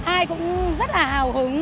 ai cũng rất là hào hứng